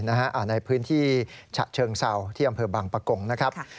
ในพื้นที่ฉะเชิงเศร้าที่อำเภอบางปะกงนะครับ